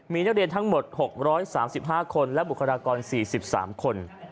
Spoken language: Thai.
มีนักเรียนทั้งหมด๖๓๕คนและบุคลากร๔๓คน